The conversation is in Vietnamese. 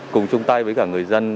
cùng chung tay với cả người dân